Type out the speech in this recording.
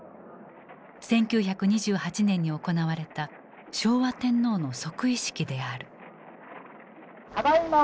１９２８年に行われた昭和天皇の即位式である。